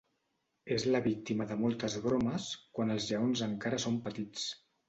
És la víctima de moltes bromes quan els lleons encara són petits.